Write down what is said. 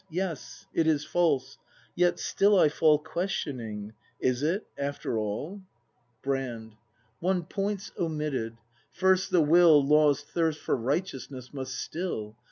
Yes, it is false: yet still I fall Questioning: Is it, after all? 114 BRAND [ACT III Brand. One point's omitted: First the Will Law's thirst for righteousness must still.